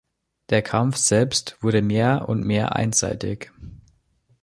Der Kampf selbst wurde mehr und mehr einseitig.